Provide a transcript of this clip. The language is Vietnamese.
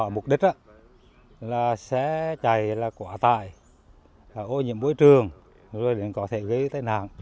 mục đích là xe chạy là quả tải ô nhiễm bối trường có thể gây tai nạn